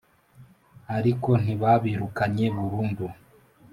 ariko ntibabirukanye burundu.